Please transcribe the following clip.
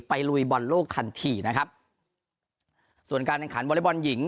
ลุยบอลโลกทันทีนะครับส่วนการแข่งขันวอเล็กบอลหญิง